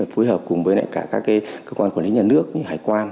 phối hợp cùng với các cơ quan quản lý nhà nước như hải quan